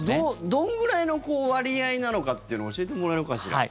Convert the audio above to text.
どんぐらいの割合なのかっていうのを教えてもらえるかしら。